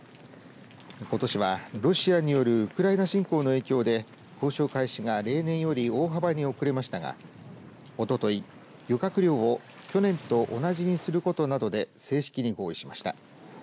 ことしは、ロシアによるウクライナ侵攻の影響で交渉開始が例年より大幅に遅れましたがおととい、漁獲量を去年と同じにすることなどで正式に合意しました。